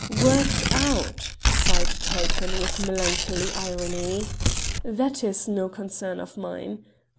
"Worked out!" sighed Tulpin with melancholy irony. "That is no concern of mine.